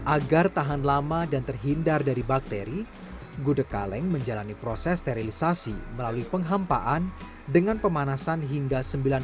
agar tahan lama dan terhindar dari bakteri gudeg kaleng menjalani proses sterilisasi melalui penghampaan dengan pemanasan hingga sembilan puluh lima derajat celcius